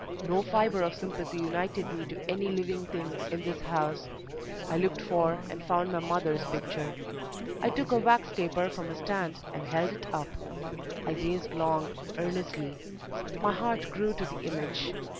No fibre of sympathy united me to any living thing in this house; I looked for and found my mother's picture. I took a wax taper from a stand, and held it up. I gazed long, earnestly; my heart grew to the image.